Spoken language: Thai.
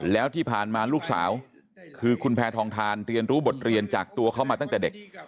แล้วที่ผ่านมาลูกสาวคือคุณแพทองทานเรียนรู้บทเรียนจากตัวเขามาตั้งแต่เด็ก